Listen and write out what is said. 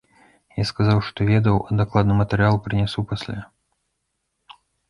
Я сказаў, што ведаў, а дакладны матэрыял прынясу пасля.